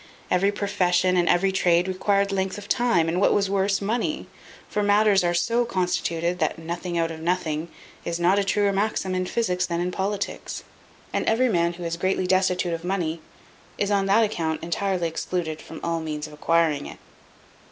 Every profession, and every trade, required length of time, and what was worse, money; for matters are so constituted, that "nothing out of nothing" is not a truer maxim in physics than in politics; and every man who is greatly destitute of money, is on that account entirely excluded from all means of acquiring it.